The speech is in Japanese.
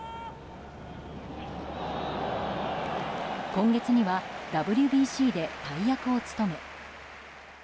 今月にはＷＢＣで大役を務め。